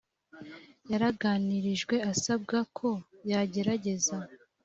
yaraganirijwe asabwa ko yagerageza